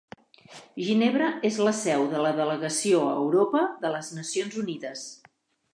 Ginebra és la seu de la delegació a Europa de les Nacions Unides.